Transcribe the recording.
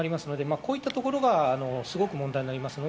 そういったところがすごく問題になります。